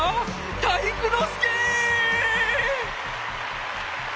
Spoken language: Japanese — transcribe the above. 体育ノ介！